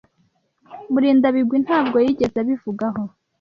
Murindabigwi ntabwo yigeze abivugaho.